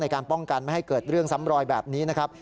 การป้องกันไม่ให้เกิดเรื่องซ้ำรอยแบบนี้นะครับ